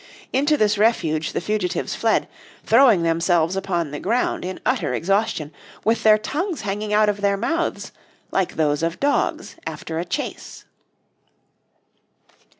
Into this refuge the fugitives fled, throwing themselves upon the ground in utter exhaustion, with their tongues hanging out of their mouths "like those of dogs after a chase."